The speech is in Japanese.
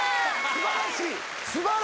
素晴らしい！